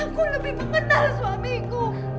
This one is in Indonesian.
aku lebih membenar suamiku